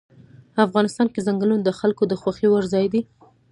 افغانستان کې ځنګلونه د خلکو د خوښې وړ ځای دی.